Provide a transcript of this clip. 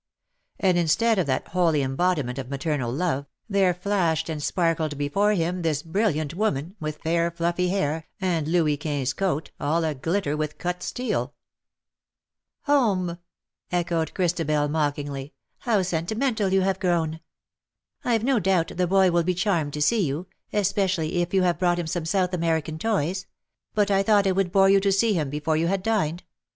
And instead of that holy embodiment of maternal love, there flashed and sparkled before him this brilliant woman, with fair fluffy hair, and Louis Quinze coat, all a glitter with cut steel. *^ Home \" echoed Christabel, mockingly ;'^ how sentimental you have grown. Fve no doubt the boy will be charmed to see you, especially if you have brought him some South American toys ; but 1 thought it would bore you to see him before you had dined.